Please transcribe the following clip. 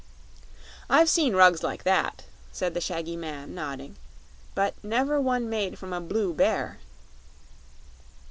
"I've seen rugs like that," said the shaggy man, nodding, "but never one made from a blue bear."